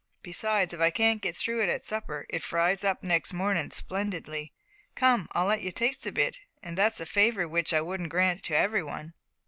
Besides, if I can't get through with it at supper, it fries up next mornin' splendidly. Come, I'll let you taste a bit, an' that's a favour w'ich I wouldn't grant to every one."